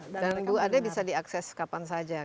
dan bu ada bisa diakses kapan saja kan